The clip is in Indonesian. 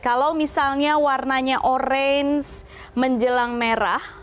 kalau misalnya warnanya orange menjelang merah